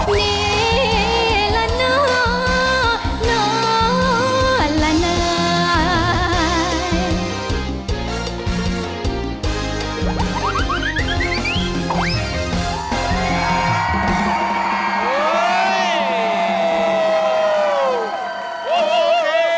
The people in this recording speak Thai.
นี่ละน้อน้อละน้อย